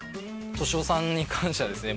俊雄さん関してはですね